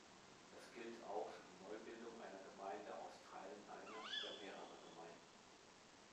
Das gilt auch für die Neubildung einer Gemeinde aus Teilen einer oder mehrerer Gemeinden.